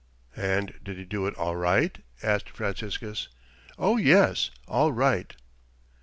"And did he do it all right?" asked Franciscus. "Oh, yes, all right."